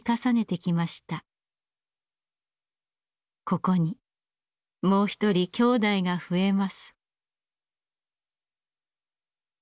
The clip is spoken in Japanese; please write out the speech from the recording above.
ここにもう一人きょうだいが増えます。